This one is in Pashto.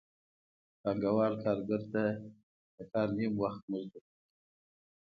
پانګوال کارګر ته د کار نیم وخت مزد ورکوي